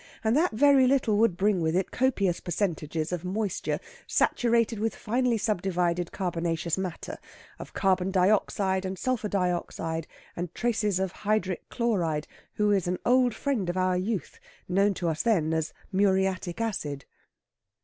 And that very little would bring with it copious percentages of moisture saturated with finely subdivided carbonaceous matter, of carbon dioxide, and sulphur dioxide, and traces of hydric chloride, who is an old friend of our youth, known to us then as muriatic acid.